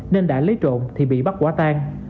nên đã lấy trộn thì bị bắt quả tan